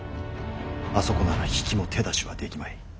あそこなら比企も手出しはできまい。